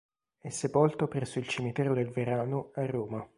È sepolto presso il Cimitero del Verano a Roma.